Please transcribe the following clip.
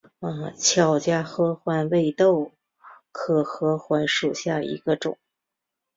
巧家合欢为豆科合欢属下的一个种。